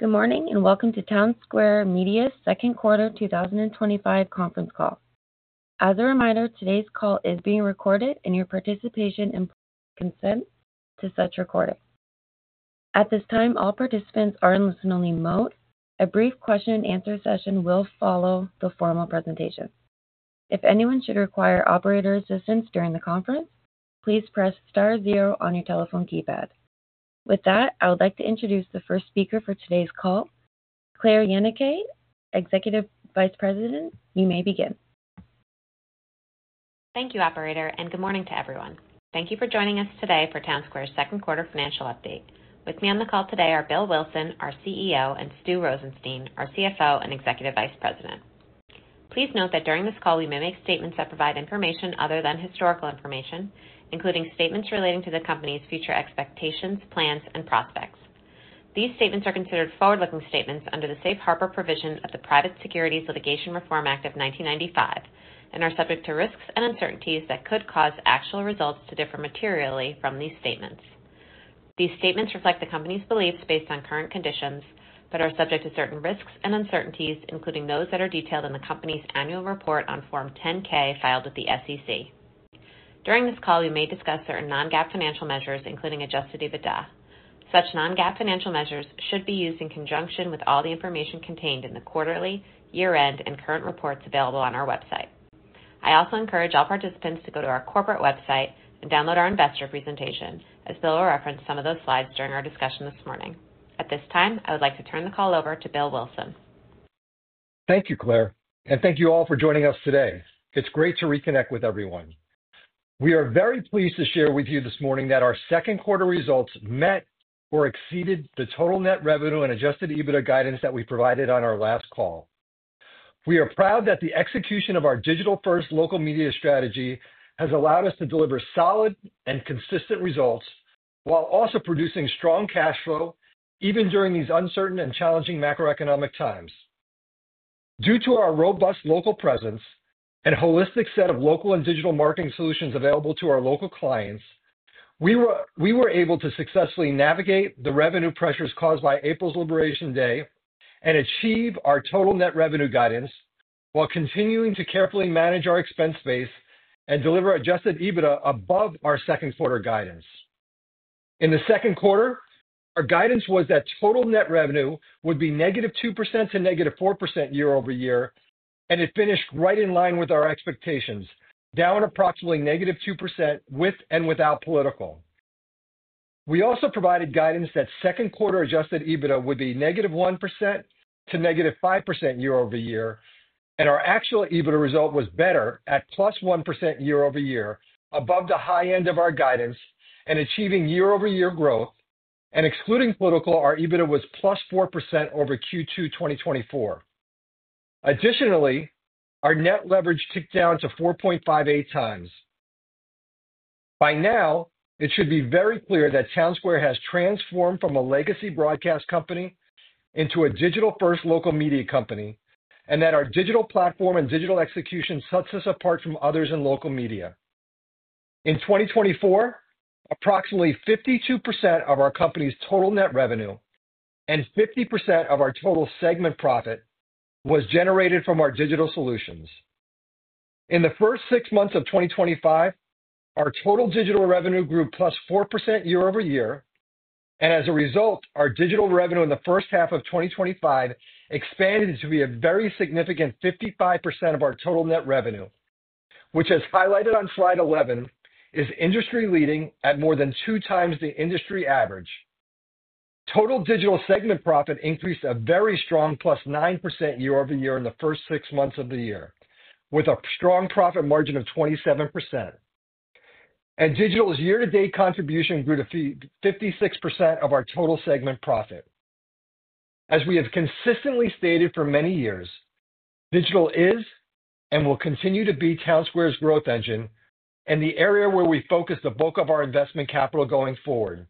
Good morning and welcome to Townsquare Media's Second Quarter 2025 Conference Call. As a reminder, today's call is being recorded, and your participation and consent to such recording. At this time, all participants are in listen-only mode. A brief question and answer session will follow the formal presentation. If anyone should require operator assistance during the conference, please press star zero on your telephone keypad. With that, I would like to introduce the first speaker for today's call, Claire Yenicay, Executive Vice President. You may begin. Thank you, Operator, and good morning to everyone. Thank you for joining us today for Townsquare's second quarter financial update. With me on the call today are Bill Wilson, our CEO, and Stuart Rosenstein, our CFO and Executive Vice President. Please note that during this call, we may make statements that provide information other than historical information, including statements relating to the company's future expectations, plans, and prospects. These statements are considered forward-looking statements under the Safe Harbor provision of the Private Securities Litigation Reform Act of 1995, and are subject to risks and uncertainties that could cause actual results to differ materially from these statements. These statements reflect the company's beliefs based on current conditions, but are subject to certain risks and uncertainties, including those that are detailed in the company's annual report on Form 10-K filed with the SEC. During this call, we may discuss certain non-GAAP financial measures, including adjusted EBITDA. Such non-GAAP financial measures should be used in conjunction with all the information contained in the quarterly, year-end, and current reports available on our website. I also encourage all participants to go to our corporate website and download our investor presentation, as Bill will reference some of those slides during our discussion this morning. At this time, I would like to turn the call over to Bill Wilson. Thank you, Claire, and thank you all for joining us today. It's great to reconnect with everyone. We are very pleased to share with you this morning that our second quarter results met or exceeded the total net revenue and adjusted EBITDA guidance that we provided on our last call. We are proud that the execution of our digital-first local media strategy has allowed us to deliver solid and consistent results while also producing strong cash flow, even during these uncertain and challenging macroeconomic times. Due to our robust local presence and holistic set of local and digital marketing solutions available to our local clients, we were able to successfully navigate the revenue pressures caused by April's Liberation Day and achieve our total net revenue guidance while continuing to carefully manage our expense base and deliver adjusted EBITDA above our second quarter guidance. In the second quarter, our guidance was that total net revenue would be -2% to -4% year-over-year, and it finished right in line with our expectations, down approximately -2% with and without political. We also provided guidance that second quarter adjusted EBITDA would be -1% to -5% year-over-year, and our actual EBITDA result was better at +1% year-over-year, above the high end of our guidance and achieving year-over-year growth, and excluding political, our EBITDA was +4% over Q2 2024. Additionally, our net leverage ticked down to 4.58x. By now, it should be very clear that Townsquare has transformed from a legacy broadcast company into a digital-first local media company, and that our digital platform and digital execution sets us apart from others in local media. In 2024, approximately 52% of our company's total net revenue and 50% of our total segment profit was generated from our digital solutions. In the first six months of 2025, our total digital revenue grew +4% year-over-year, and as a result, our digital revenue in the first half of 2025 expanded to be a very significant 55% of our total net revenue, which, as highlighted on slide 11, is industry-leading at more than two times the industry average. Total digital segment profit increased a very strong +9% year-over-year in the first six months of the year, with a strong profit margin of 27%. Digital's year-to-date contribution grew to 56% of our total segment profit. As we have consistently stated for many years, digital is and will continue to be Townsquare's growth engine and the area where we focus the bulk of our investment capital going forward,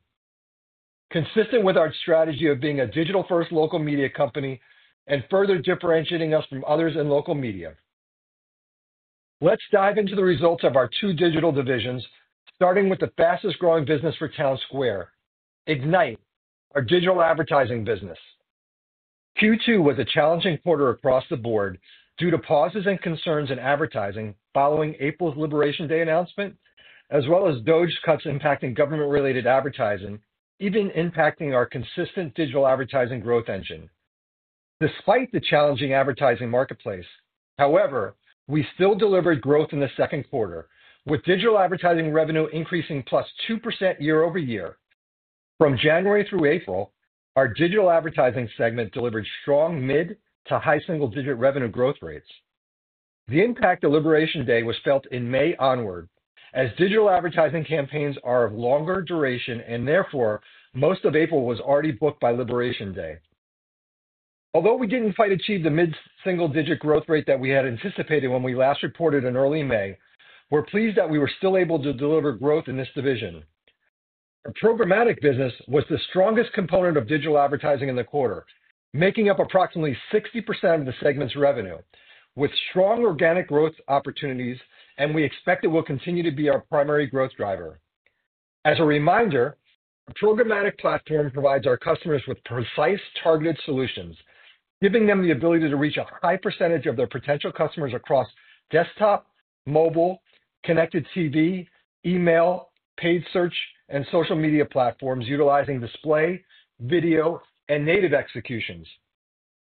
consistent with our strategy of being a digital-first local media company and further differentiating us from others in local media. Let's dive into the results of our two digital divisions, starting with the fastest growing business for Townsquare Ignite, our digital advertising business. Q2 was a challenging quarter across the board due to pauses and concerns in advertising following April's Liberation Day announcement, as well as DOGE cuts impacting government-related advertising, even impacting our consistent digital advertising growth engine. Despite the challenging advertising marketplace, however, we still delivered growth in the second quarter, with digital advertising revenue increasing +2% year-over-year. From January through April, our digital advertising segment delivered strong mid-to-high single-digit revenue growth rates. The impact of Liberation Day was felt in May onward, as digital advertising campaigns are of longer duration, and therefore, most of April was already booked by Liberation Day. Although we didn't quite achieve the mid single-digit growth rate that we had anticipated when we last reported in early May, we're pleased that we were still able to deliver growth in this division. Our programmatic business was the strongest component of digital advertising in the quarter, making up approximately 60% of the segment's revenue, with strong organic growth opportunities, and we expect it will continue to be our primary growth driver. As a reminder, our programmatic platform provides our customers with precise, targeted solutions, giving them the ability to reach a high percentage of their potential customers across desktop, mobile, connected TV, email, paid search, and social media platforms utilizing display, video, and native executions.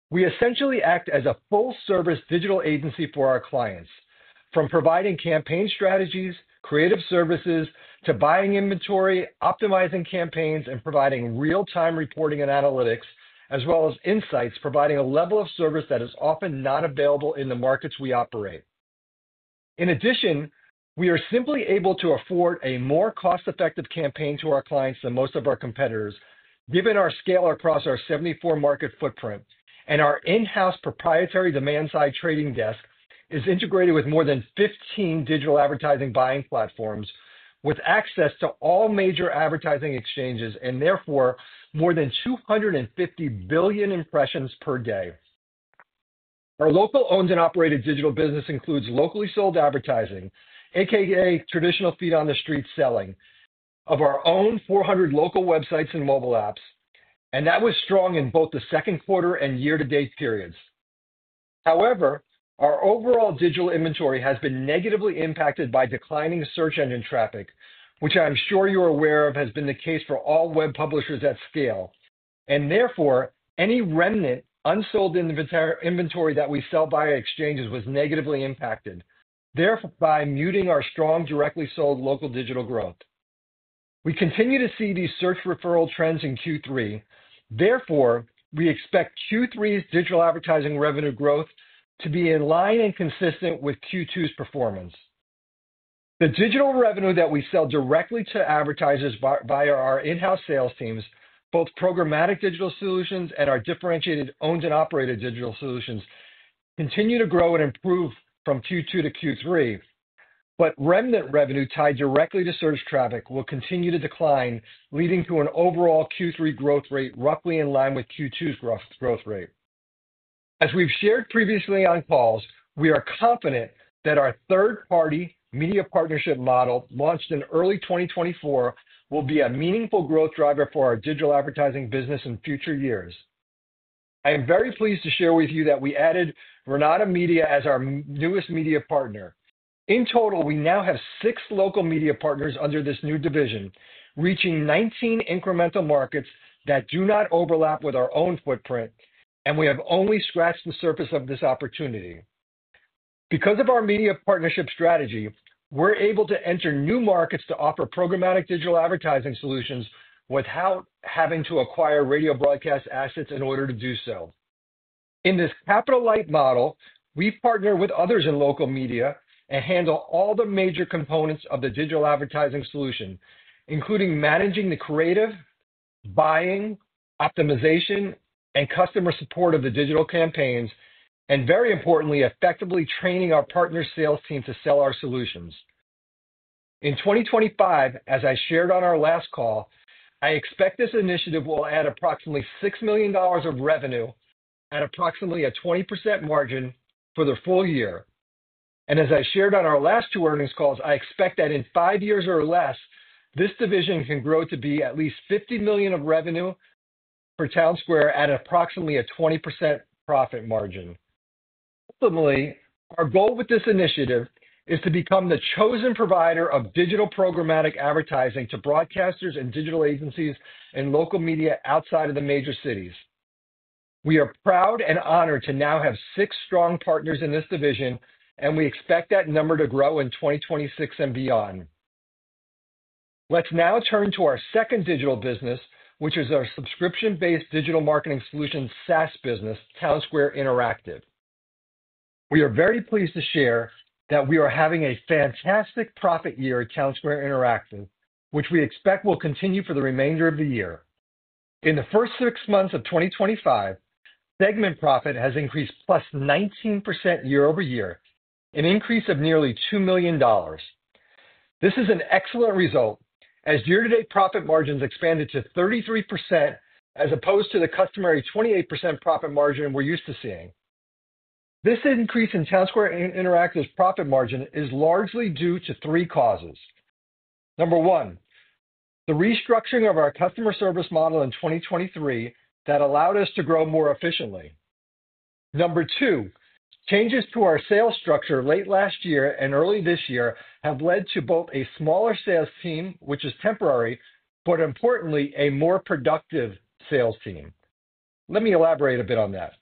We essentially act as a full-service digital agency for our clients, from providing campaign strategies, creative services, to buying inventory, optimizing campaigns, and providing real-time reporting and analytics, as well as insights, providing a level of service that is often not available in the markets we operate. In addition, we are simply able to afford a more cost-effective campaign to our clients than most of our competitors, given our scale across our 74 market footprint, and our in-house proprietary demand-side trading desk is integrated with more than 15 digital advertising buying platforms, with access to all major advertising exchanges, and therefore, more than 250 billion impressions per day. Our locally owned and operated digital business includes locally sold advertising, also known as traditional feet on the street selling, of our own 400 local websites and mobile apps, and that was strong in both the second quarter and year-to-date periods. However, our overall digital inventory has been negatively impacted by declining search engine referral traffic, which I'm sure you're aware of has been the case for all web publishers at scale, and therefore, any remnant unsold inventory that we sell via exchanges was negatively impacted, thereby muting our strong directly sold local digital growth. We continue to see these search referral trends in Q3. Therefore, we expect Q3's digital advertising revenue growth to be in line and consistent with Q2's performance. The digital revenue that we sell directly to advertisers via our in-house sales teams, both programmatic digital solutions and our differentiated owned and operated digital solutions, continue to grow and improve from Q2 to Q3, but remnant revenue tied directly to search traffic will continue to decline, leading to an overall Q3 growth rate roughly in line with Q2's growth rate. As we've shared previously on calls, we are confident that our third-party media partnership model launched in early 2024 will be a meaningful growth driver for our digital advertising business in future years. I am very pleased to share with you that we added Renata Media as our newest media partner. In total, we now have six local media partners under this new division, reaching 19 incremental markets that do not overlap with our own footprint, and we have only scratched the surface of this opportunity. Because of our media partnership strategy, we're able to enter new markets to offer programmatic digital advertising solutions without having to acquire radio broadcast assets in order to do so. In this capital-light model, we've partnered with others in local media and handle all the major components of the digital advertising solution, including managing the creative, buying, optimization, and customer support of the digital campaigns, and very importantly, effectively training our partner sales team to sell our solutions. In 2025, as I shared on our last call, I expect this initiative will add approximately $6 million of revenue at approximately a 20% margin for the full year. As I shared on our last two earnings calls, I expect that in five years or less, this division can grow to be at least $50 million of revenue for Townsquare at approximately a 20% profit margin. Ultimately, our goal with this initiative is to become the chosen provider of digital programmatic advertising to broadcasters and digital agencies and local media outside of the major cities. We are proud and honored to now have six strong partners in this division, and we expect that number to grow in 2026 and beyond. Let's now turn to our second digital business, which is our subscription-based digital marketing solution SaaS business, Townsquare Interactive. We are very pleased to share that we are having a fantastic profit year at Townsquare Interactive, which we expect will continue for the remainder of the year. In the first six months of 2025, segment profit has increased +19% year-over-year, an increase of nearly $2 million. This is an excellent result, as year-to-date profit margins expanded to 33% as opposed to the customary 28% profit margin we're used to seeing. This increase in Townsquare Interactive's profit margin is largely due to three causes. Number one, the restructuring of our customer service model in 2023 that allowed us to grow more efficiently. Number two, changes to our sales structure late last year and early this year have led to both a smaller sales team, which is temporary, but importantly, a more productive sales team. Let me elaborate a bit on that.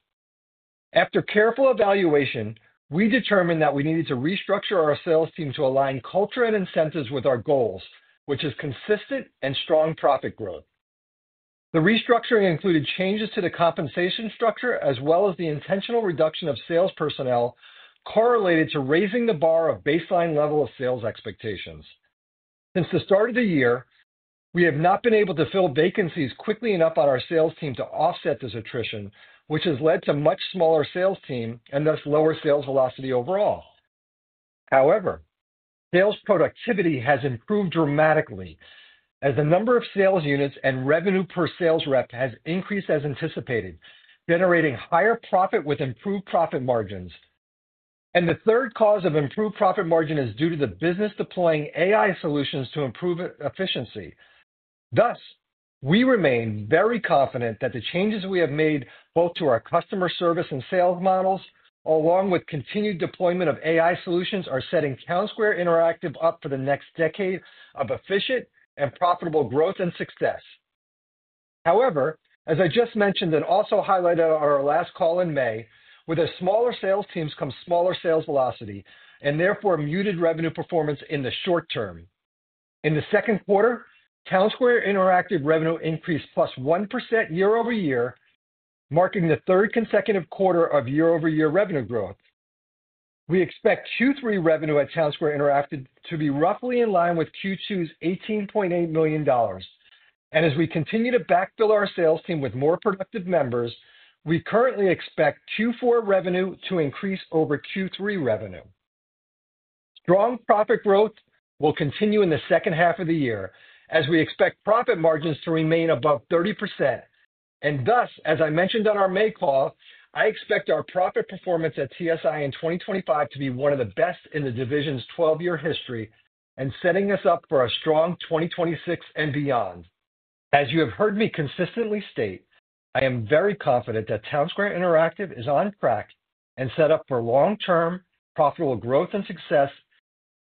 After careful evaluation, we determined that we needed to restructure our sales team to align culture and incentives with our goals, which is consistent and strong profit growth. The restructuring included changes to the compensation structure, as well as the intentional reduction of sales personnel correlated to raising the bar of baseline level of sales expectations. Since the start of the year, we have not been able to fill vacancies quickly enough on our sales team to offset this attrition, which has led to a much smaller sales team and thus lower sales velocity overall. However, sales productivity has improved dramatically, as the number of sales units and revenue per sales rep has increased as anticipated, generating higher profit with improved profit margins. The third cause of improved profit margin is due to the business deploying AI solutions to improve efficiency. Thus, we remain very confident that the changes we have made both to our customer service and sales models, along with continued deployment of AI solutions, are setting Townsquare Interactive up for the next decade of efficient and profitable growth and success. However, as I just mentioned and also highlighted on our last call in May, with a smaller sales team comes smaller sales velocity, and therefore muted revenue performance in the short term. In the second quarter, Townsquare Interactive revenue increased +1% year-over-year, marking the third consecutive quarter of year-over-year revenue growth. We expect Q3 revenue at Townsquare Interactive to be roughly in line with Q2's $18.8 million. As we continue to backfill our sales team with more productive members, we currently expect Q4 revenue to increase over Q3 revenue. Strong profit growth will continue in the second half of the year, as we expect profit margins to remain above 30%. As I mentioned on our May call, I expect our profit performance at CSI in 2025 to be one of the best in the division's 12-year history, setting us up for a strong 2026 and beyond. As you have heard me consistently state, I am very confident that Townsquare Interactive is on track and set up for long-term profitable growth and success,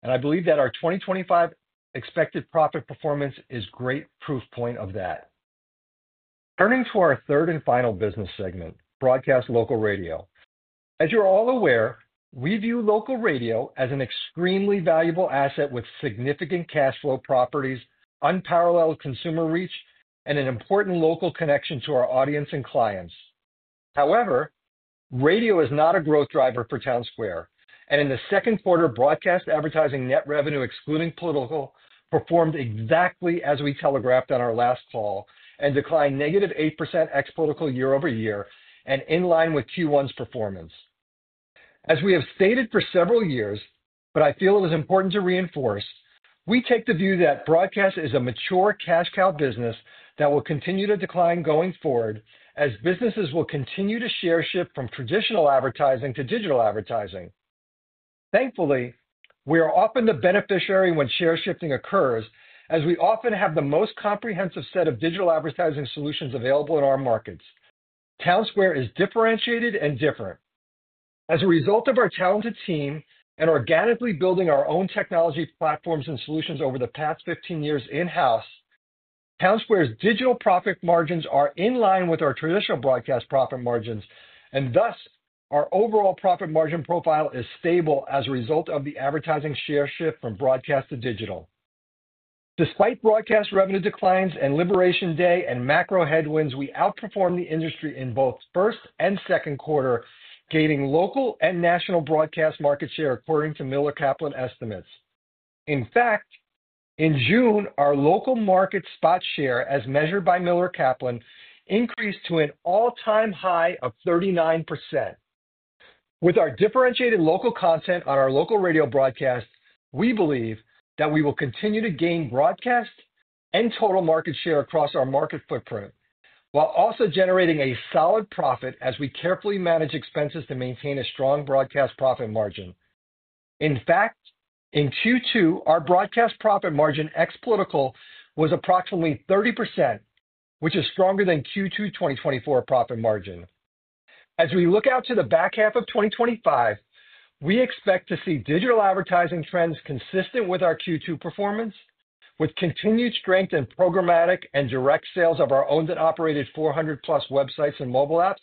and I believe that our 2025 expected profit performance is a great proof point of that. Turning to our third and final business segment, broadcast local radio. As you're all aware, we view local radio as an extremely valuable asset with significant cash flow properties, unparalleled consumer reach, and an important local connection to our audience and clients. However, radio is not a growth driver for Townsquare, and in the second quarter, broadcast advertising net revenue, excluding political, performed exactly as we telegraphed on our last call and declined -8% ex-political year-over-year, in line with Q1's performance. As we have stated for several years, but I feel it was important to reinforce, we take the view that broadcast is a mature cash cow business that will continue to decline going forward, as businesses will continue to share shift from traditional advertising to digital advertising. Thankfully, we are often the beneficiary when share shifting occurs, as we often have the most comprehensive set of digital advertising solutions available in our markets. Townsquare is differentiated and different. As a result of our talented team and organically building our own technology platforms and solutions over the past 15 years in-house, Townsquare's digital profit margins are in line with our traditional broadcast profit margins, and thus, our overall profit margin profile is stable as a result of the advertising share shift from broadcast to digital. Despite broadcast revenue declines and Liberation Day and macroeconomic headwinds, we outperformed the industry in both first and second quarter, gaining local and national broadcast market share according to Miller Kaplan estimates. In fact, in June, our local market spot share, as measured by Miller Kaplan, increased to an all-time high of 39%. With our differentiated local content on our local radio broadcast, we believe that we will continue to gain broadcast and total market share across our market footprint, while also generating a solid profit as we carefully manage expenses to maintain a strong broadcast profit margin. In fact, in Q2, our broadcast profit margin ex-political was approximately 30%, which is stronger than Q2 2024 profit margin. As we look out to the back half of 2025, we expect to see digital advertising trends consistent with our Q2 performance, with continued strength in programmatic and direct sales of our owned and operated 400+ websites and mobile apps,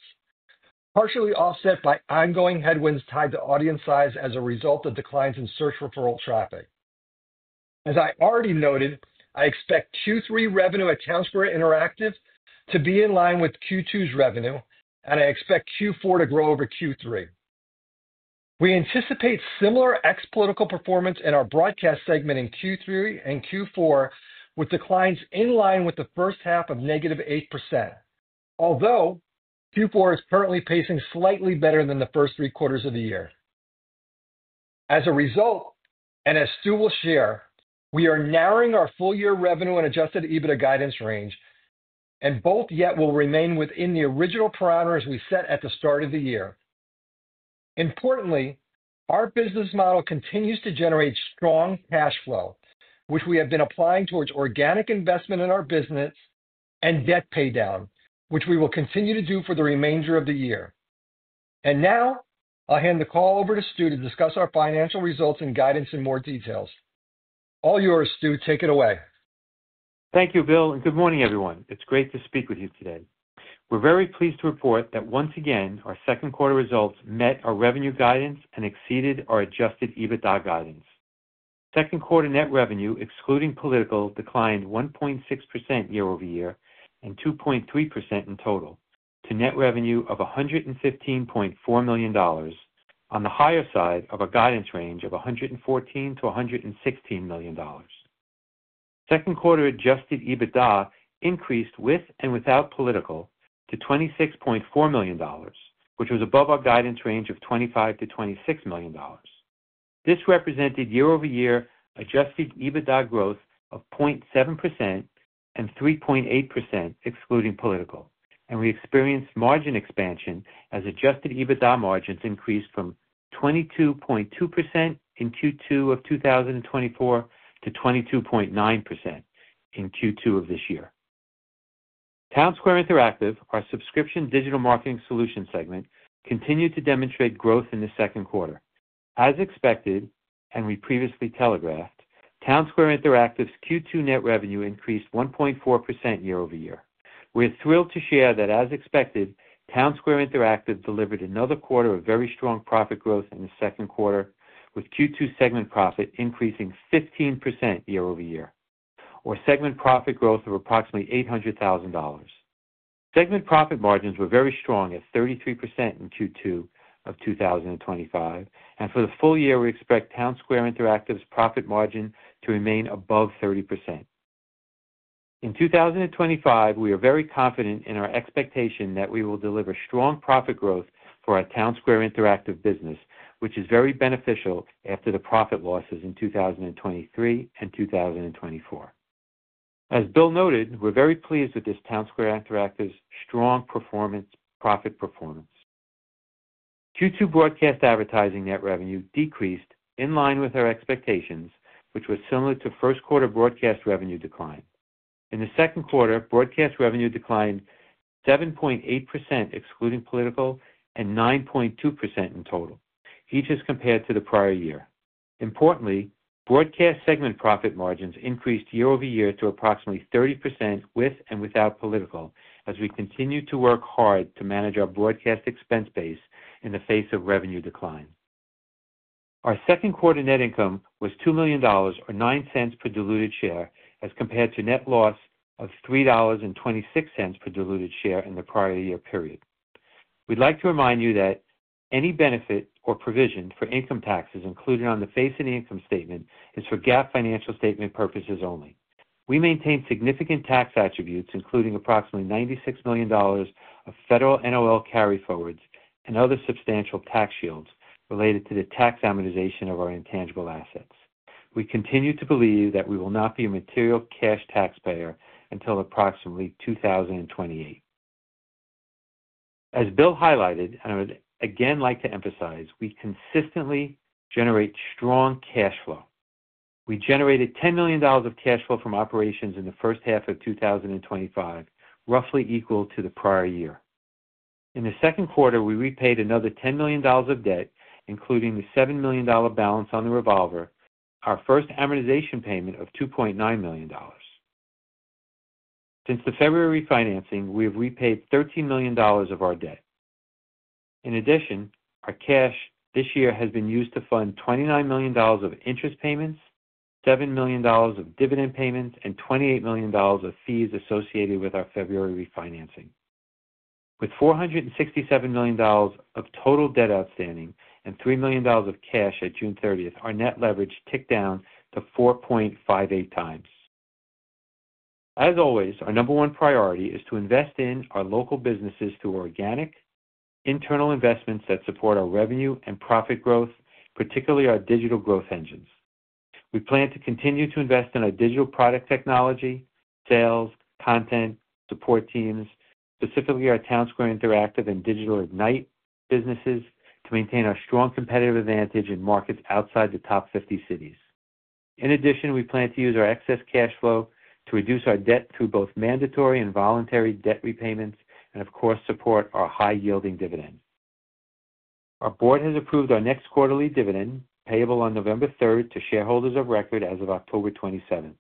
partially offset by ongoing headwinds tied to audience size as a result of declines in search engine referral traffic. As I already noted, I expect Q3 revenue at Townsquare Interactive to be in line with Q2's revenue, and I expect Q4 to grow over Q3. We anticipate similar ex-political performance in our broadcast segment in Q3 and Q4, with declines in line with the first half of -8%, although Q4 is currently pacing slightly better than the first three quarters of the year. As a result, and as Stu will share, we are narrowing our full-year revenue and adjusted EBITDA guidance range, and both yet will remain within the original parameters we set at the start of the year. Importantly, our business model continues to generate strong cash flow, which we have been applying towards organic investment in our business and debt pay down, which we will continue to do for the remainder of the year. Now, I'll hand the call over to Stu to discuss our financial results and guidance in more detail. All yours, Stu. Take it away. Thank you, Bill, and good morning, everyone. It's great to speak with you today. We're very pleased to report that once again, our second quarter results met our revenue guidance and exceeded our adjusted EBITDA guidance. Second quarter net revenue, excluding political, declined 1.6% year-over-year and 2.3% in total to net revenue of $115.4 million, on the higher side of a guidance range of $114 million-$116 million. Second quarter adjusted EBITDA increased with and without political to $26.4 million, which was above our guidance range of $25 million-$26 million. This represented year-over-year adjusted EBITDA growth of 0.7% and 3.8%, excluding political, and we experienced margin expansion as adjusted EBITDA margins increased from 22.2% in Q2 of 2024 to 22.9% in Q2 of this year. Townsquare Interactive, our subscription digital marketing solutions segment, continued to demonstrate growth in the second quarter. As expected, and we previously telegraphed, Townsquare Interactive's Q2 net revenue increased 1.4% year-over-year. We're thrilled to share that, as expected, Townsquare Interactive delivered another quarter of very strong profit growth in the second quarter, with Q2 segment profit increasing 15% year-over-year, or segment profit growth of approximately $800,000. Segment profit margins were very strong at 33% in Q2 of 2025, and for the full year, we expect Townsquare Interactive's profit margin to remain above 30%. In 2025, we are very confident in our expectation that we will deliver strong profit growth for our Townsquare Interactive business, which is very beneficial after the profit losses in 2023 and 2024. As Bill noted, we're very pleased with this Townsquare Interactive's strong profit performance. Q2 broadcast advertising net revenue decreased in line with our expectations, which was similar to first quarter broadcast revenue decline. In the second quarter, broadcast revenue declined 7.8%, excluding political, and 9.2% in total, each as compared to the prior year. Importantly, broadcast segment profit margins increased year-over-year to approximately 30% with and without political, as we continue to work hard to manage our broadcast expense base in the face of revenue decline. Our second quarter net income was $2 million or $0.09 per diluted share, as compared to net loss of $3.26 per diluted share in the prior year period. We'd like to remind you that any benefit or provision for income taxes included on the face and income statement is for GAAP financial statement purposes only. We maintain significant tax attributes, including approximately $96 million of federal NOL carryforwards and other substantial tax shields related to the tax amortization of our intangible assets. We continue to believe that we will not be a material cash taxpayer until approximately 2028. As Bill highlighted, and I would again like to emphasize, we consistently generate strong cash flow. We generated $10 million of cash flow from operations in the first half of 2025, roughly equal to the prior year. In the second quarter, we repaid another $10 million of debt, including the $7 million balance on the revolver, our first amortization payment of $2.9 million. Since the February refinancing, we have repaid $13 million of our debt. In addition, our cash this year has been used to fund $29 million of interest payments, $7 million of dividend payments, and $28 million of fees associated with our February refinancing. With $467 million of total debt outstanding and $3 million of cash at June 30th, our net leverage ticked down to 4.58x. As always, our number one priority is to invest in our local businesses through organic internal investments that support our revenue and profit growth, particularly our digital growth engines. We plan to continue to invest in our digital product technology, sales, content, support teams, specifically our Townsquare Interactive and digital Ignite businesses to maintain our strong competitive advantage in markets outside the top 50 cities. In addition, we plan to use our excess cash flow to reduce our debt through both mandatory and voluntary debt repayments and, of course, support our high-yielding dividend. Our board has approved our next quarterly dividend payable on November 3rd to shareholders of record as of October 27th.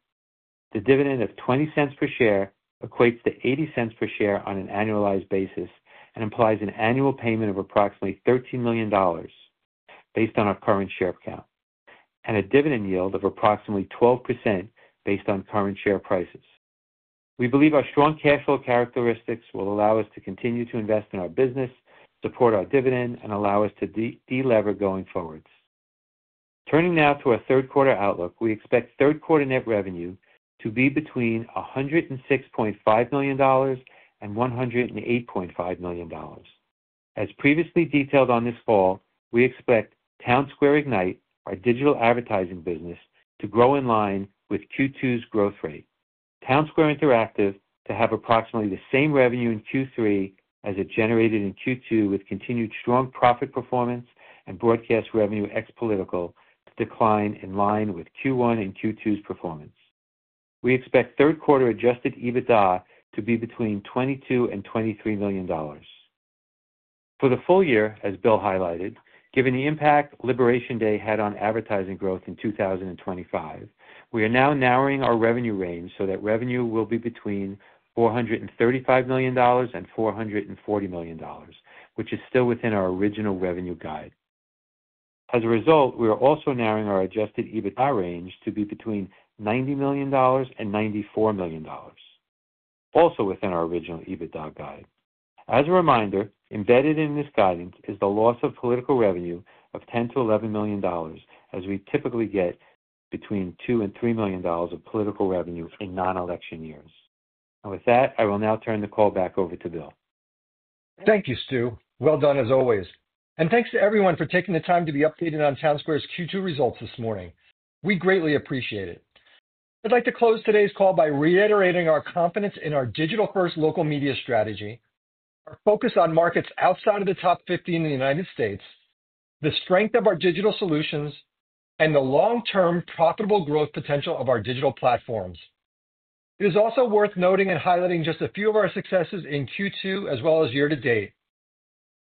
The dividend of $0.20 per share equates to $0.80 per share on an annualized basis and implies an annual payment of approximately $13 million based on our current share count and a dividend yield of approximately 12% based on current share prices. We believe our strong cash flow characteristics will allow us to continue to invest in our business, support our dividend, and allow us to delever going forwards. Turning now to our third quarter outlook, we expect third quarter net revenue to be between $106.5 million and $108.5 million. As previously detailed on this call, we expect Townsquare Ignite, our digital advertising business, to grow in line with Q2's growth rate. Townsquare Interactive to have approximately the same revenue in Q3 as it generated in Q2, with continued strong profit performance, and broadcast revenue ex-political to decline in line with Q1 and Q2's performance. We expect third quarter adjusted EBITDA to be between $22 million-$23 million. For the full year, as Bill highlighted, given the impact Liberation Day had on advertising growth in 2025, we are now narrowing our revenue range so that revenue will be between $435 million-$440 million, which is still within our original revenue guide. As a result, we are also narrowing our adjusted EBITDA range to be between $90 million-$94 million, also within our original EBITDA guide. As a reminder, embedded in this guidance is the loss of political revenue of $10 million-$11 million, as we typically get between $2 million-$3 million of political revenue in non-election years. I will now turn the call back over to Bill. Thank you, Stu. Well done as always. Thanks to everyone for taking the time to be updated on Townsquare's Q2 results this morning. We greatly appreciate it. I'd like to close today's call by reiterating our confidence in our digital-first local media strategy, our focus on markets outside of the top 50 in the United States, the strength of our digital solutions, and the long-term profitable growth potential of our digital platforms. It is also worth noting and highlighting just a few of our successes in Q2 as well as year to date.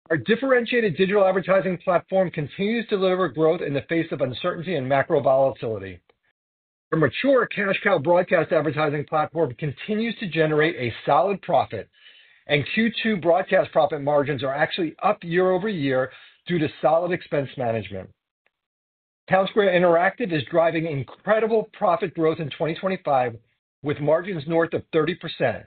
Our differentiated digital advertising platform continues to deliver growth in the face of uncertainty and macro volatility. Our mature cash cow broadcast advertising platform continues to generate a solid profit, and Q2 broadcast profit margins are actually up year-over-year due to solid expense management. Townsquare Interactive is driving incredible profit growth in 2025 with margins north of 30%.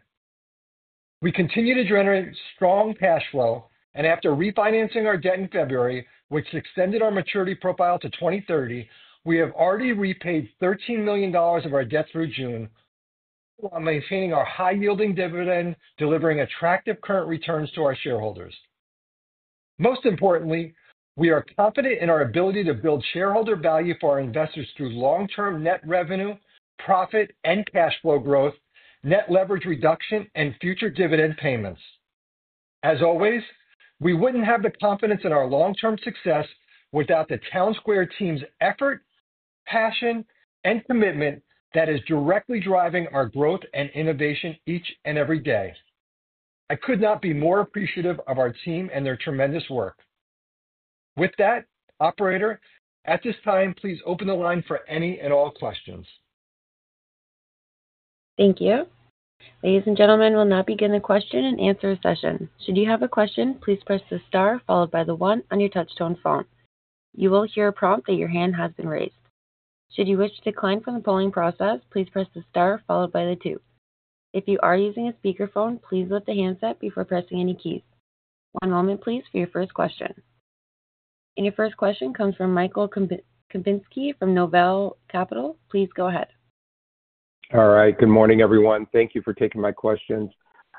We continue to generate strong cash flow, and after refinancing our debt in February, which extended our maturity profile to 2030, we have already repaid $13 million of our debt through June, while maintaining our high-yielding dividend, delivering attractive current returns to our shareholders. Most importantly, we are confident in our ability to build shareholder value for our investors through long-term net revenue, profit, and cash flow growth, net leverage reduction, and future dividend payments. As always, we wouldn't have the confidence in our long-term success without the Townsquare team's effort, passion, and commitment that is directly driving our growth and innovation each and every day. I could not be more appreciative of our team and their tremendous work. With that, Operator, at this time, please open the line for any and all questions. Thank you. Ladies and gentlemen, we'll now begin the question and answer session. Should you have a question, please press the star followed by the one on your touch-tone phone. You will hear a prompt that your hand has been raised. Should you wish to decline from the polling process, please press the star followed by the two. If you are using a speaker phone, please lift the handset before pressing any key. One moment, please, for your first question. Your first question comes from Michael Kupinski from Noble Capital. Please go ahead. All right. Good morning, everyone. Thank you for taking my questions.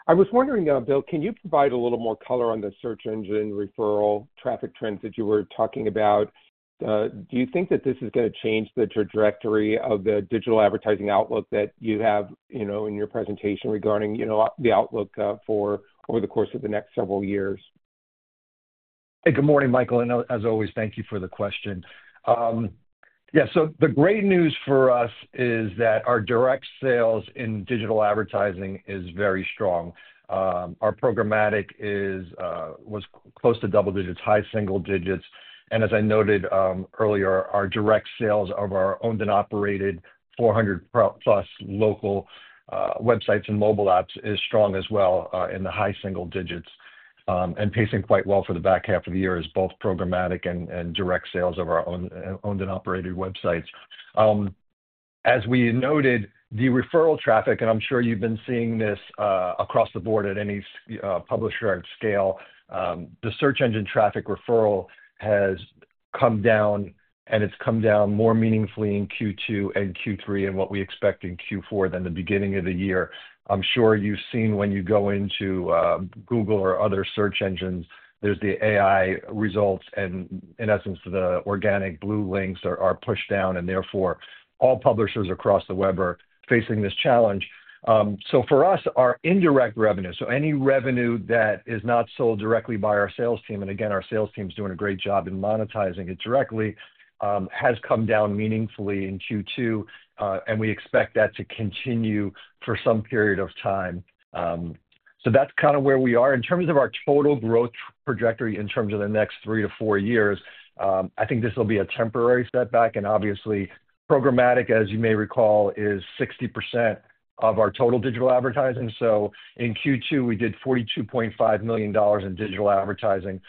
I was wondering, Bill, can you provide a little more color on the search engine referral traffic trends that you were talking about? Do you think that this is going to change the trajectory of the digital advertising outlook that you have in your presentation regarding the outlook for over the course of the next several years? Hey, good morning, Michael. As always, thank you for the question. The great news for us is that our direct sales in digital advertising is very strong. Our programmatic was close to double-digits, high single-digits. As I noted earlier, our direct sales of our owned and operated 400+ local websites and mobile apps is strong as well in the high single-digits, and pacing quite well for the back half of the year as both programmatic and direct sales of our owned and operated websites. As we noted, the referral traffic, and I'm sure you've been seeing this across the board at any publisher and scale, the search engine traffic referral has come down, and it's come down more meaningfully in Q2 and Q3 and what we expect in Q4 than the beginning of the year. I'm sure you've seen when you go into Google or other search engines, there's the AI results, and in essence, the organic blue links are pushed down, and therefore, all publishers across the web are facing this challenge. For us, our indirect revenue, so any revenue that is not sold directly by our sales team, and again, our sales team is doing a great job in monetizing it directly, has come down meaningfully in Q2, and we expect that to continue for some period of time. That's kind of where we are. In terms of our total growth trajectory, in terms of the next three to four years, I think this will be a temporary setback, and obviously, programmatic, as you may recall, is 60% of our total digital advertising. In Q2, we did $42.5 million in digital advertising.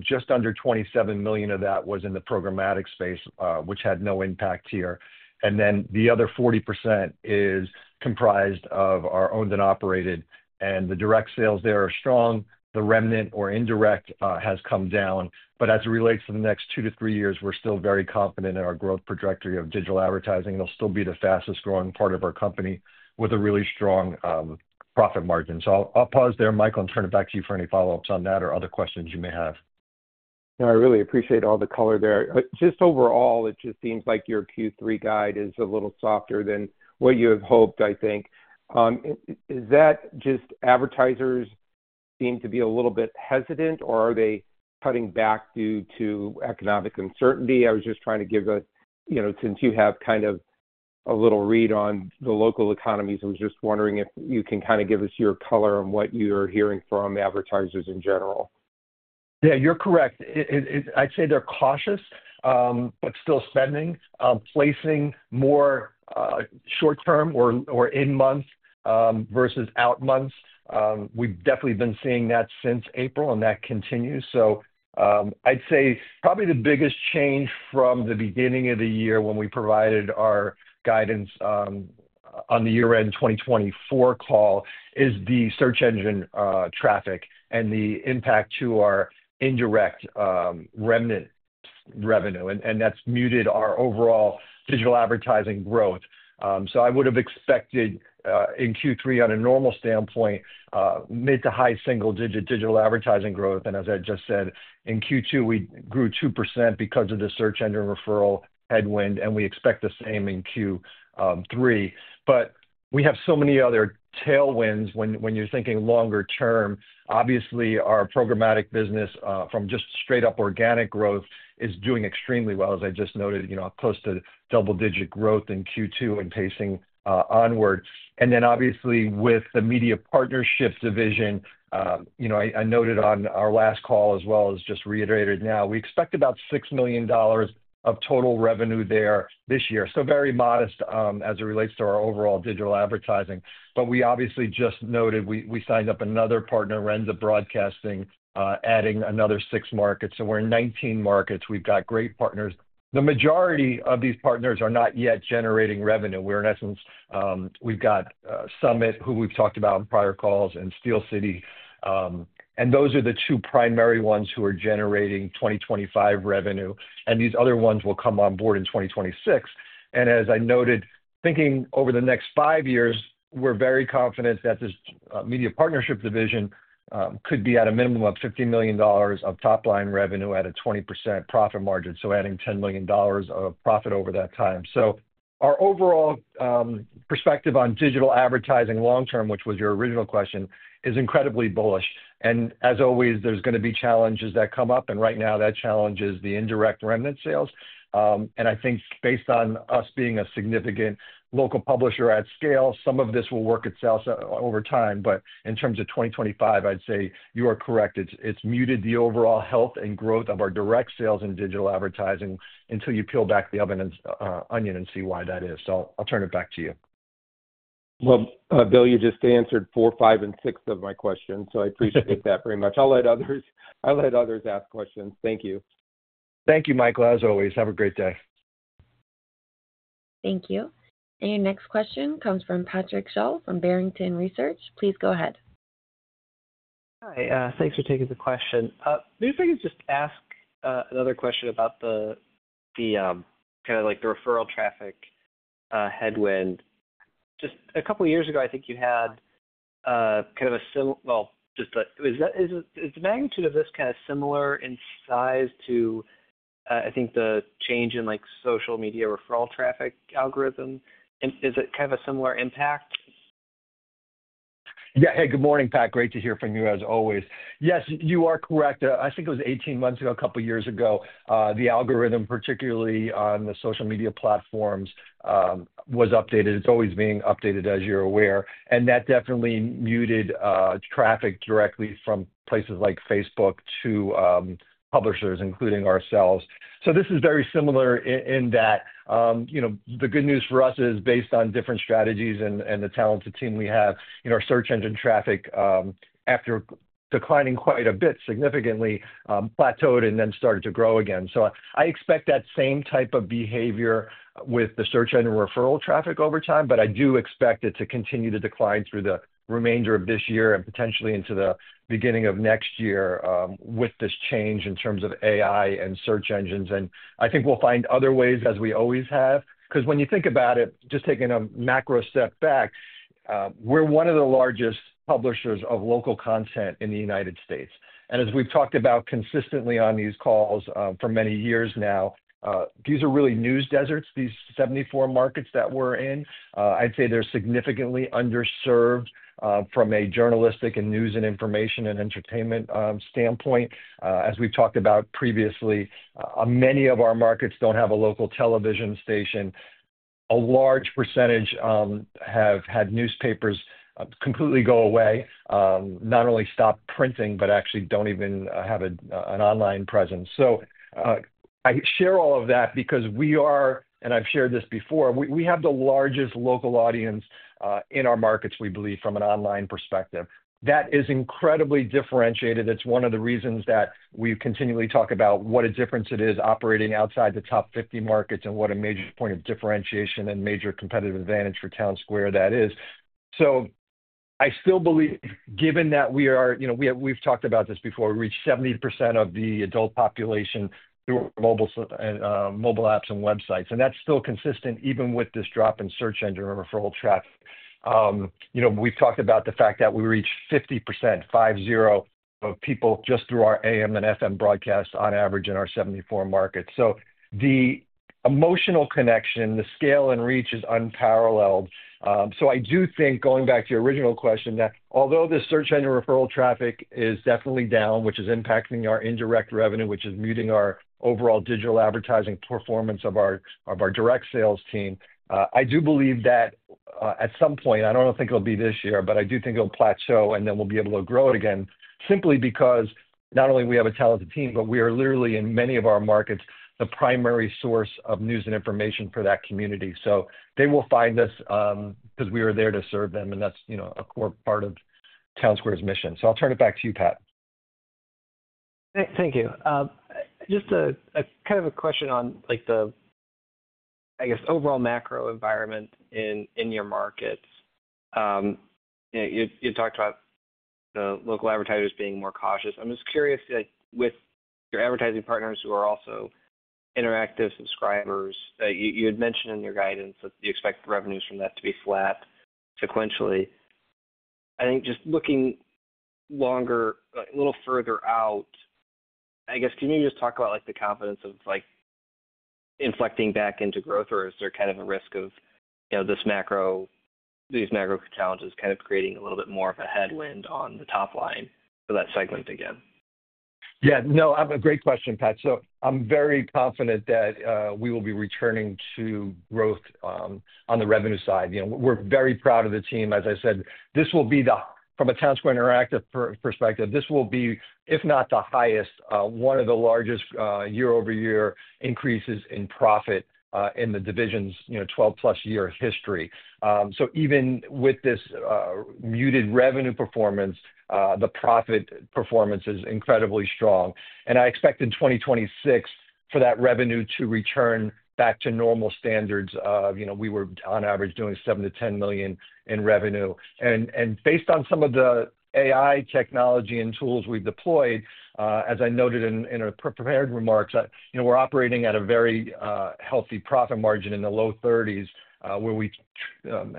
Just under $27 million of that was in the programmatic space, which had no impact here. The other 40% is comprised of our owned and operated, and the direct sales there are strong. The remnant or indirect has come down, but as it relates to the next two to three years, we're still very confident in our growth trajectory of digital advertising. It'll still be the fastest growing part of our company with a really strong profit margin. I'll pause there, Michael, and turn it back to you for any follow-ups on that or other questions you may have. No, I really appreciate all the color there. Just overall, it just seems like your Q3 guide is a little softer than what you have hoped, I think. Is that just advertisers seem to be a little bit hesitant, or are they cutting back due to economic uncertainty? I was just trying to give a, you know, since you have kind of a little read on the local economies, I was just wondering if you can kind of give us your color on what you are hearing from advertisers in general. Yeah, you're correct. I'd say they're cautious, but still spending, placing more short-term or in-month versus out-months. We've definitely been seeing that since April, and that continues. I'd say probably the biggest change from the beginning of the year when we provided our guidance on the year-end 2024 call is the search engine traffic and the impact to our indirect remnant revenue, and that's muted our overall digital advertising growth. I would have expected in Q3, on a normal standpoint, mid to high single-digit digital advertising growth, and as I just said, in Q2, we grew 2% because of the search engine referral headwind, and we expect the same in Q3. We have so many other tailwinds when you're thinking longer-term. Obviously, our programmatic business from just straight-up organic growth is doing extremely well, as I just noted, you know, a close to double-digit growth in Q2 and pacing onward. Obviously, with the media partnership division, I noted on our last call as well as just reiterated now, we expect about $6 million of total revenue there this year. Very modest as it relates to our overall digital advertising. We obviously just noted we signed up another partner, Renda Broadcasting, adding another six markets. We're in 19 markets. We've got great partners. The majority of these partners are not yet generating revenue. In essence, we've got Summit, who we've talked about in prior calls, and Steel City. Those are the two primary ones who are generating 2025 revenue, and these other ones will come on board in 2026. As I noted, thinking over the next five years, we're very confident that this media partnership division could be at a minimum of $50 million of top-line revenue at a 20% profit margin, so adding $10 million of profit over that time. Our overall perspective on digital advertising long-term, which was your original question, is incredibly bullish. As always, there's going to be challenges that come up, and right now that challenge is the indirect remnant sales. I think based on us being a significant local publisher at scale, some of this will work itself over time. In terms of 2025, I'd say you are correct. It's muted the overall health and growth of our direct sales in digital advertising until you peel back the onion and see why that is. I'll turn it back to you. Bill, you just answered four, five, and six of my questions, so I appreciate that very much. I'll let others ask questions. Thank you. Thank you, Michael. As always, have a great day. Thank you. Your next question comes from Patrick Sholl from Barrington Research. Please go ahead. Hi. Thanks for taking the question. Maybe if I could just ask another question about the referral traffic headwind. Just a couple of years ago, I think you had a similar, is the magnitude of this similar in size to the change in social media referral traffic algorithm? Is it a similar impact? Yeah. Hey, good morning, Pat. Great to hear from you as always. Yes, you are correct. I think it was 18 months ago, a couple of years ago, the algorithm, particularly on the social media platforms, was updated. It's always being updated, as you're aware. That definitely muted traffic directly from places like Facebook to publishers, including ourselves. This is very similar in that the good news for us is based on different strategies and the talented team we have, our search engine traffic, after declining quite a bit, significantly plateaued and then started to grow again. I expect that same type of behavior with the search engine referral traffic over time, but I do expect it to continue to decline through the remainder of this year and potentially into the beginning of next year with this change in terms of AI and search engines. I think we'll find other ways, as we always have, because when you think about it, just taking a macro step back, we're one of the largest publishers of local content in the United States. As we've talked about consistently on these calls for many years now, these are really news deserts, these 74 markets that we're in. I'd say they're significantly underserved from a journalistic and news and information and entertainment standpoint. As we've talked about previously, many of our markets don't have a local television station. A large percentage have had newspapers completely go away, not only stop printing, but actually don't even have an online presence. I share all of that because we are, and I've shared this before, we have the largest local audience in our markets, we believe, from an online perspective. That is incredibly differentiated. It's one of the reasons that we continually talk about what a difference it is operating outside the top 50 markets and what a major point of differentiation and major competitive advantage for Townsquare that is. I still believe, given that we are, we've talked about this before, we reach 70% of the adult population through our mobile apps and websites, and that's still consistent even with this drop in search engine referral traffic. We've talked about the fact that we reach 50%, five-zero, of people just through our AM and FM broadcasts on average in our 74 markets. The emotional connection, the scale and reach is unparalleled. I do think, going back to your original question, that although the search engine referral traffic is definitely down, which is impacting our indirect revenue, which is muting our overall digital advertising performance of our direct sales team, I do believe that at some point, I don't think it'll be this year, but I do think it'll plateau and then we'll be able to grow it again simply because not only do we have a talented team, but we are literally in many of our markets the primary source of news and information for that community. They will find us because we are there to serve them, and that's, you know, a core part of Townsquare's mission. I'll turn it back to you, Pat. Thank you. Just a question on the overall macro environment in your markets. You talked about the local advertisers being more cautious. I'm just curious, with your advertising partners who are also interactive subscribers, you had mentioned in your guidance that you expect revenues from that to be flat sequentially. I think looking a little further out, can you talk about the confidence of inflecting back into growth, or is there a risk of these macro challenges creating a little bit more of a headwind on the top line for that segment again? Yeah, no, I have a great question, Pat. I'm very confident that we will be returning to growth on the revenue side. We're very proud of the team. As I said, this will be, from a Townsquare Interactive perspective, if not the highest, one of the largest year-over-year increases in profit in the division's 12+ year history. Even with this muted revenue performance, the profit performance is incredibly strong. I expect in 2026 for that revenue to return back to normal standards of, you know, we were on average doing $7 million-$10 million in revenue. Based on some of the AI technology and tools we've deployed, as I noted in our prepared remarks, we're operating at a very healthy profit margin in the low 30s, where we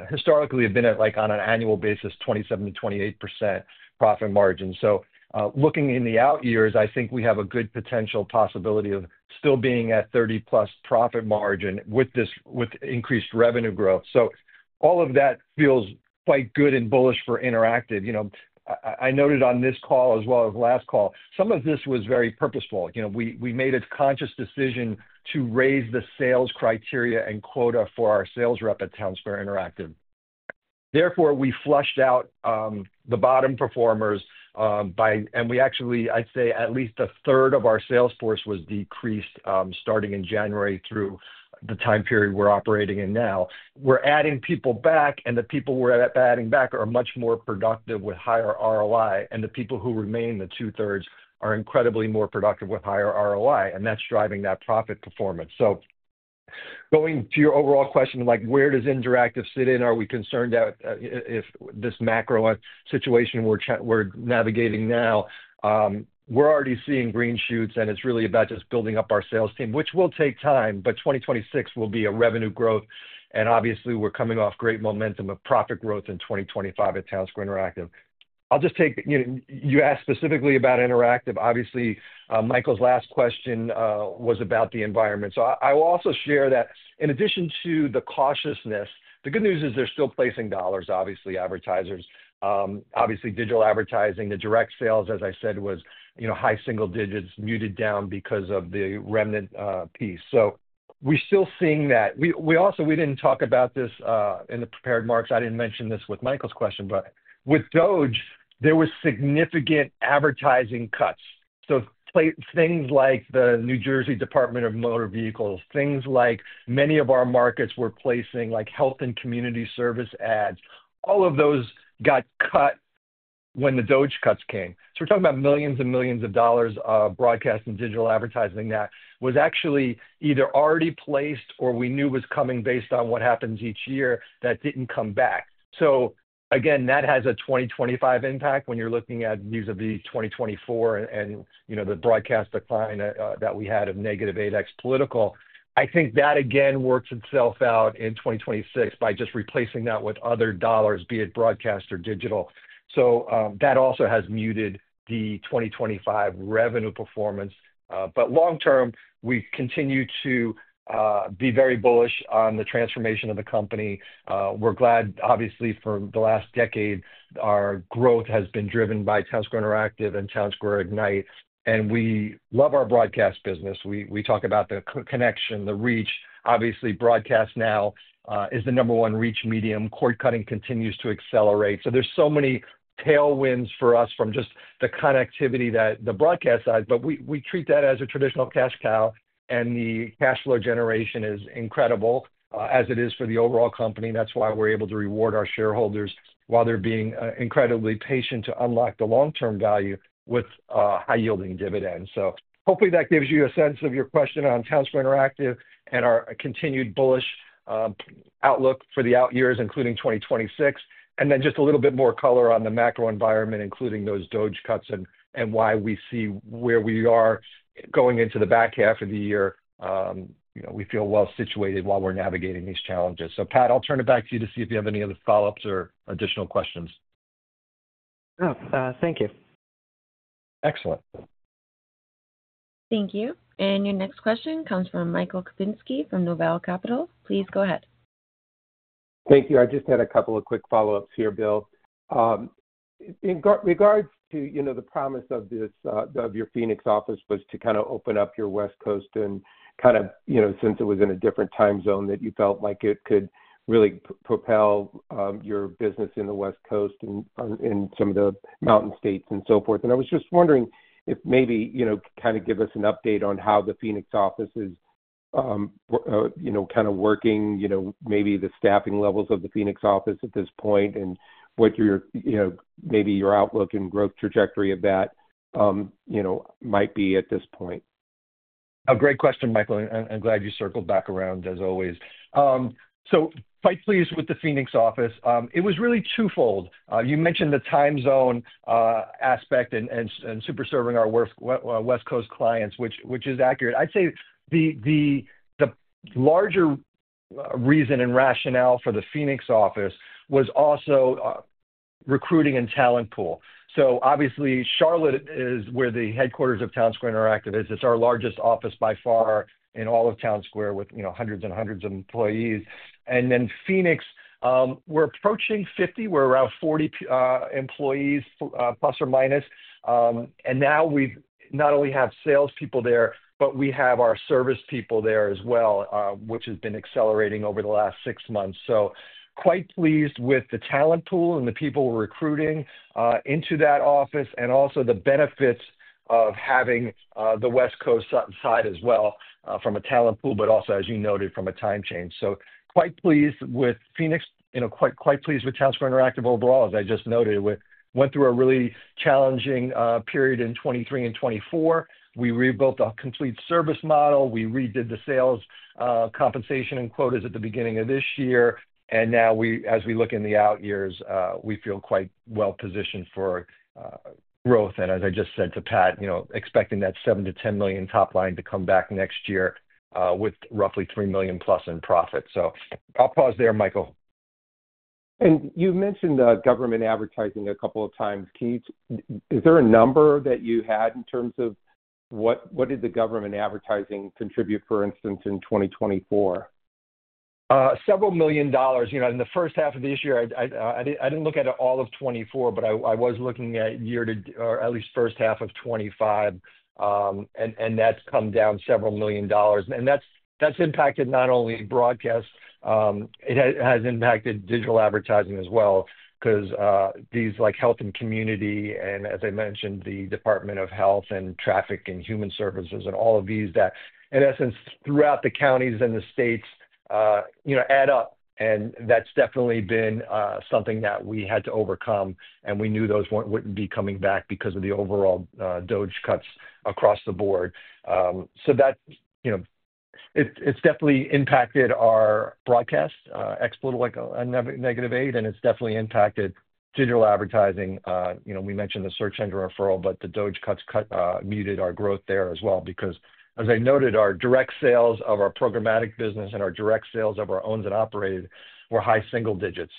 historically have been at, like on an annual basis, 27%-28% profit margin. Looking in the out years, I think we have a good potential possibility of still being at 30%+ profit margin with this increased revenue growth. All of that feels quite good and bullish for Interactive. I noted on this call as well as last call, some of this was very purposeful. We made a conscious decision to raise the sales criteria and quota for our sales rep at Townsquare Interactive. Therefore, we flushed out the bottom performers, and we actually, I'd say at least a third of our sales force was decreased starting in January through the time period we're operating in now. We're adding people back, and the people we're adding back are much more productive with higher ROI, and the people who remain, the two-thirds, are incredibly more productive with higher ROI, and that's driving that profit performance. Going to your overall question of where does Interactive sit in, are we concerned if this macro situation we're navigating now, we're already seeing green shoots, and it's really about just building up our sales team, which will take time, but 2026 will be a revenue growth, and obviously we're coming off great momentum of profit growth in 2025 at Townsquare Interactive. I'll just take, you asked specifically about Interactive. Obviously, Michael's last question was about the environment. I will also share that in addition to the cautiousness, the good news is they're still placing dollars, obviously, advertisers. Obviously, digital advertising, the direct sales, as I said, was high single-digits, muted down because of the remnant piece. We're still seeing that. We also, we didn't talk about this in the prepared marks. I didn't mention this with Michael's question, but with DOGE, there were significant advertising cuts. Things like the New Jersey Department of Motor Vehicles, things like many of our markets were placing health and community service ads. All of those got cut when the DOGE cuts came. We're talking about millions and millions of dollars of broadcast and digital advertising that was actually either already placed or we knew was coming based on what happens each year that didn't come back. That has a 2025 impact when you're looking at news of 2024 and, you know, the broadcast decline that we had of -8% ex-political. I think that works itself out in 2026 by just replacing that with other dollars, be it broadcast or digital. That also has muted the 2025 revenue performance. Long-term, we continue to be very bullish on the transformation of the company. We're glad, obviously, for the last decade, our growth has been driven by Townsquare Interactive and Townsquare Ignite. We love our broadcast business. We talk about the connection, the reach. Obviously, broadcast now is the number one reach medium. Cord cutting continues to accelerate. There are so many tailwinds for us from just the connectivity that the broadcast side, but we treat that as a traditional cash cow, and the cash flow generation is incredible as it is for the overall company. That's why we're able to reward our shareholders while they're being incredibly patient to unlock the long-term value with high yielding dividends. Hopefully that gives you a sense of your question on Townsquare Interactive and our continued bullish outlook for the out years, including 2026. Just a little bit more color on the macro environment, including those DOGE cuts and why we see where we are going into the back half of the year. We feel well situated while we're navigating these challenges. Pat, I'll turn it back to you to see if you have any other follow-ups or additional questions. Thank you. Excellent. Thank you. Your next question comes from Michael Kupinski from Noble Capital. Please go ahead. Thank you. I just had a couple of quick follow-ups here, Bill. In regards to the promise of this, of your Phoenix office, it was to kind of open up your West Coast and, since it was in a different time zone, that you felt like it could really propel your business in the West Coast and in some of the mountain states and so forth. I was just wondering if maybe you could give us an update on how the Phoenix office is working, maybe the staffing levels of the Phoenix office at this point, and what your outlook and growth trajectory of that might be at this point. A great question, Michael. I'm glad you circled back around as always. Quite pleased with the Phoenix office. It was really twofold. You mentioned the time zone aspect and super serving our West Coast clients, which is accurate. I'd say the larger reason and rationale for the Phoenix office was also recruiting and talent pool. Obviously, Charlotte is where the headquarters of Townsquare Interactive is. It's our largest office by far in all of Townsquare with hundreds and hundreds of employees. Phoenix, we're approaching 50. We're around 40 employees, plus or minus. We not only have salespeople there, but we have our service people there as well, which has been accelerating over the last six months. Quite pleased with the talent pool and the people we're recruiting into that office and also the benefits of having the West Coast side as well from a talent pool, but also, as you noted, from a time change. Quite pleased with Phoenix, quite pleased with Townsquare Interactive overall, as I just noted. We went through a really challenging period in 2023 and 2024. We rebuilt a complete service model. We redid the sales compensation and quotas at the beginning of this year. As we look in the out years, we feel quite well positioned for growth. As I just said to Pat, expecting that $7 million-$10 million top line to come back next year with roughly $3 million+ in profit. I'll pause there, Michael. You mentioned government advertising a couple of times. Is there a number that you had in terms of what did the government advertising contribute, for instance, in 2024? Several million dollars in the first half of this year, I didn't look at it all of 2024, but I was looking at year to, or at least first half of 2025, and that's come down several million dollars. That's impacted not only broadcast, it has impacted digital advertising as well, because these like health and community, and as I mentioned, the Department of Health and Traffic and Human Services and all of these that, in essence, throughout the counties and the states, add up. That's definitely been something that we had to overcome, and we knew those wouldn't be coming back because of the overall budget cuts across the board. That has definitely impacted our broadcast ex-political like a -8%, and it's definitely impacted digital advertising. We mentioned the search engine referral, but the budget cuts muted our growth there as well, because, as I noted, our direct sales of our programmatic digital advertising business and our direct sales of our owned and operated were high single-digits.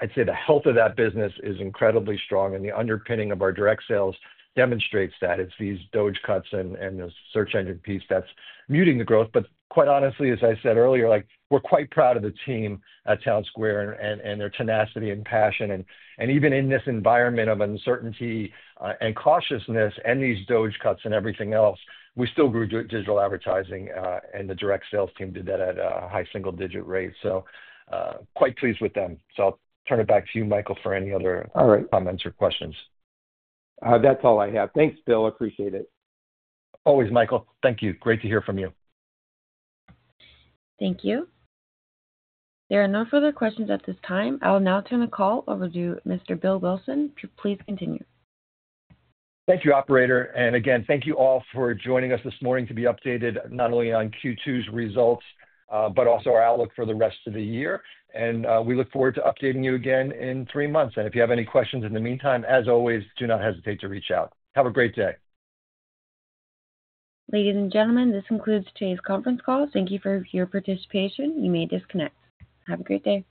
I'd say the health of that business is incredibly strong, and the underpinning of our direct sales demonstrates that it's these budget cuts and the search engine piece that's muting the growth. Quite honestly, as I said earlier, we're quite proud of the team at Townsquare and their tenacity and passion. Even in this environment of uncertainty and cautiousness and these budget cuts and everything else, we still grew digital advertising, and the direct sales team did that at a high single-digit rate. Quite pleased with them. I'll turn it back to you, Michael, for any other comments or questions. That's all I have. Thanks, Bill. Appreciate it. Always, Michael. Thank you. Great to hear from you. Thank you. There are no further questions at this time. I'll now turn the call over to Mr. Bill Wilson to please continue. Thank you, Operator. Thank you all for joining us this morning to be updated not only on Q2's results, but also our outlook for the rest of the year. We look forward to updating you again in three months. If you have any questions in the meantime, as always, do not hesitate to reach out. Have a great day. Ladies and gentlemen, this concludes today's conference call. Thank you for your participation. You may disconnect. Have a great day.